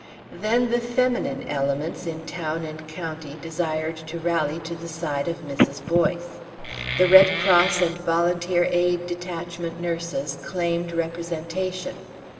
Then the feminine elements in town and county desired to rally to the side of Mrs. Boyce. The Red Cross and Volunteer Aid Detachment Nurses claimed representation.